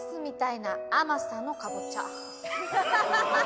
ハハハハ！